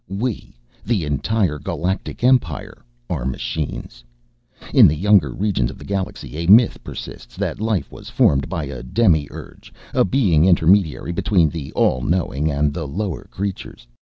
We, the entire Galactic Empire, are Machines. In the younger regions of the galaxy, a myth persists that life was formed by a Demi urge, a being intermediary between the All Knowing and the lower creatures.